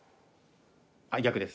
逆です。